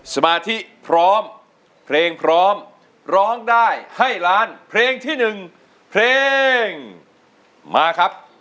สมาธิพร้อมเพลงพร้อมร้องได้ให้ล้านเพลงที่๑เพลงมาครับ